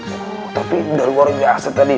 oh tapi udah luar biasa tadi